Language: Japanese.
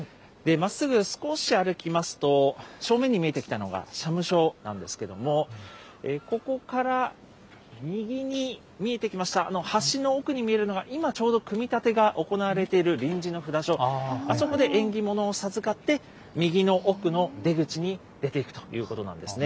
まっすぐ少し歩きますと、正面に見えてきたのが、社務所なんですけど、ここから右に見えてきました、あの橋の奥に見えるのが、今、ちょうど組み立てが行われている臨時の札所、あそこで縁起物を授かって、右の奥の出口に出ていくということなんですね。